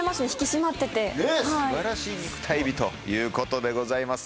ねえすばらしい肉体美ということでございます